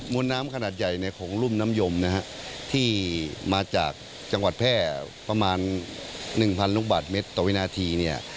วนน้ำขนาดใหญ่ของรุ่มน้ำยมนะฮะที่มาจากจังหวัดแพร่ประมาณ๑๐๐ลูกบาทเมตรต่อวินาทีเนี่ย